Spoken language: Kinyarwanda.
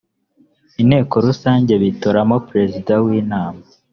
inteko rusange bitoramo perezida w’ inama